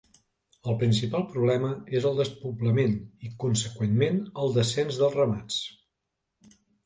El principal problema és el despoblament i conseqüentment el descens dels ramats.